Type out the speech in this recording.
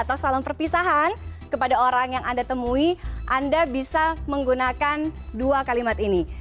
atau salam perpisahan kepada orang yang anda temui anda bisa menggunakan dua kalimat ini